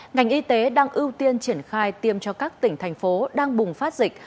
ngành y tế đang ưu tiên triển khai tiêm cho các tỉnh thành phố đang bùng phát dịch